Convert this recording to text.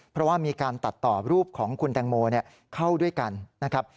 เพราะว่ามีการตัดต่อรูปของคุณแตงโมเข้าด้วยกันนะครับ